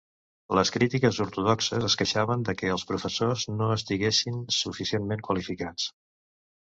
Les crítiques ortodoxes es queixaven de què els professors no estiguessin suficientment qualificats.